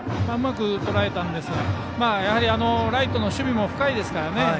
うまくとらえたんですが、やはりライトの守備も深いですからね。